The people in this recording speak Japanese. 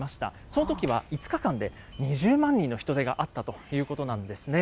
そのときは５日間で２０万人の人出があったということなんですね。